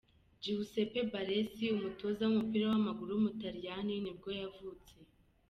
Giuseppe Baresi, umutoza w’umupira w’amaguru w’umutaliyani nibwo yavutse.